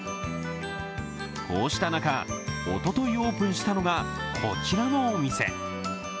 こうした中、おとといオープンしたのがこちらのお店。